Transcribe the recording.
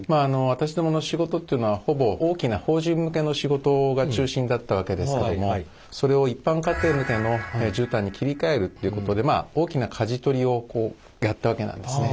私どもの仕事っていうのはほぼ大きな法人向けの仕事が中心だったわけですけどもそれを一般家庭向けの絨毯に切り替えるっていうことでまあ大きなかじ取りをやったわけなんですね。